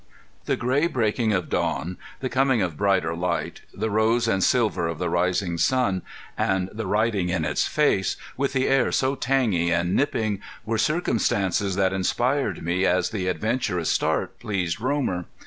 The gray breaking of dawn, the coming of brighter light, the rose and silver of the rising sun, and the riding in its face, with the air so tangy and nipping, were circumstances that inspired me as the adventurous start pleased Romer.